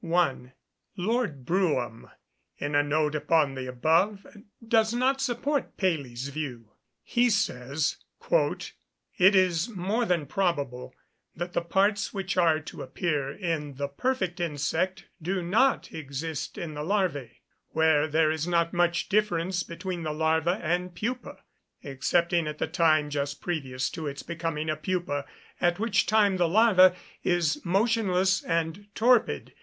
] Lord Brougham, in a note upon the above, does not support Paley's view. He says "It is more than probable that the parts which are to appear in the perfect insect do not exist in the larvæ, where there is not much difference between the larva and pupa, excepting at the time just previous to its becoming a pupa, at which time the larva is motionless and torpid.